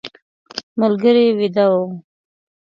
ملګري ویده و.